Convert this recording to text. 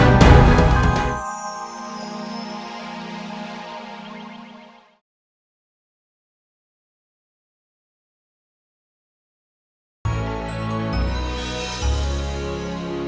saya mau menjelaskan paman argadana